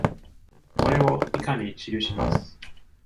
これを以下に示します。